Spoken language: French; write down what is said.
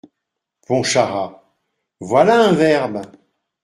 Pontcharrat.- Voilà un verbe !